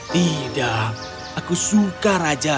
tidak aku suka raja